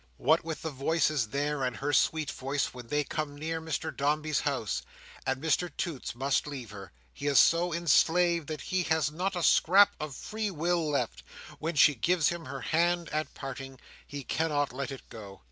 What with the voices there, and her sweet voice, when they come near Mr Dombey's house, and Mr Toots must leave her, he is so enslaved that he has not a scrap of free will left; when she gives him her hand at parting, he cannot let it go.